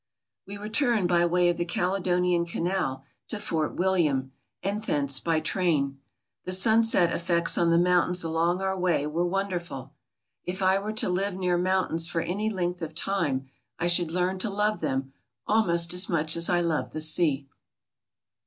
We returned by way of the Caledonian Canal to Fort William, and thence by train. The sunset effects on the mountains along our way were wonderful. If I were to live near mountains for any length of time I should learn to love them almost as much as I love the sea.